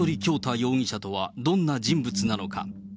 容疑者とはどんな人物なのか。